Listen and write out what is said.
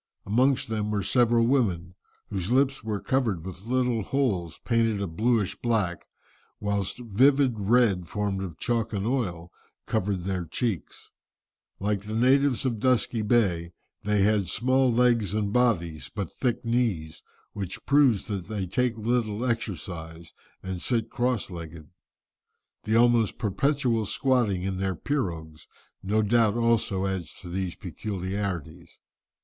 Amongst them were several women, whose lips were covered with little holes, painted a blueish black, whilst vivid red formed of chalk and oil, covered their cheeks. Like the natives of Dusky Bay, they had small legs and bodies, but thick knees, which proves that they take little exercise and sit cross legged. The almost perpetual squatting in their pirogues no doubt also adds to these peculiarities.